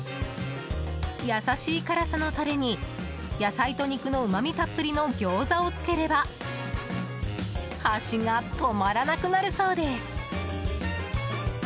優しい辛さのタレに野菜と肉のうまみたっぷりの餃子をつければ箸が止まらなくなるそうです。